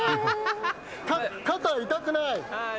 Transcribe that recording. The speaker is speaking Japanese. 肩、痛くない？